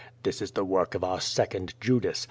This is the work of our second Judas.